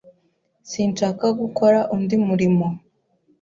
Sinshaka gukora undi murimo.